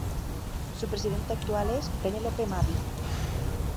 Su presidente actual es Penelope Maddy.